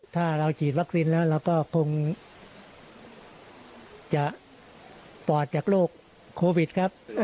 ถ้าเราฉีดวัคซีนแล้วเราก็คงจะปลอดจากโรคโควิดครับ